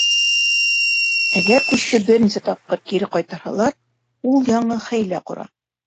Әгәр күсте бер нисә тапҡыр кире ҡайтарһалар, ул яңы хәйлә ҡора.